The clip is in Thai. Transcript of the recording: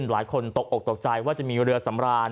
หลายคนตกอกตกใจว่าจะมีเรือสำราญ